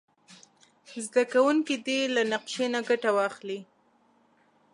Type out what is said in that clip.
زده کوونکي دې له نقشې نه ګټه واخلي.